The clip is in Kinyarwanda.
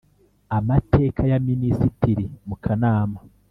Amateka ya minisitiri mu kanama